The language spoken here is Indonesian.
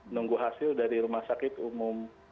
nunggu hasil dari rumah sakit umum